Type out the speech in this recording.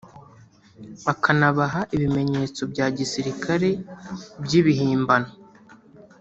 akanabaha ibimenyetso bya gisirikare by’ibihimbano